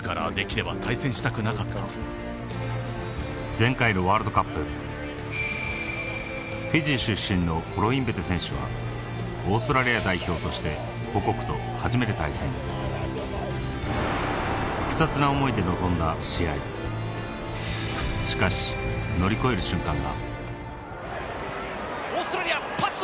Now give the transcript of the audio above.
前回のワールドカップフィジー出身のコロインベテ選手はオーストラリア代表として複雑な思いで臨んだ試合しかし乗り越える瞬間がオーストラリアパス？